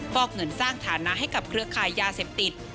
อกเงินสร้างฐานะให้กับเครือขายยาเสพติด